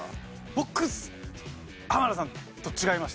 僕濱田さんと違いました。